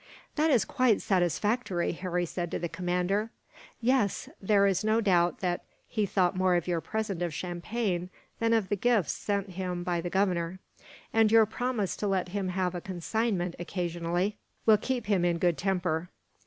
"That is quite satisfactory," Harry said to the commander. "Yes; there is no doubt that he thought more of your present of champagne, than of the gifts sent him by the Governor; and your promise to let him have a consignment, occasionally, will keep him in good temper.